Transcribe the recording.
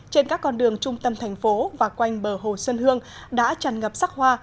trên các con đường trung tâm thành phố và quanh bờ hồ xuân hương đã tràn ngập sắc hoa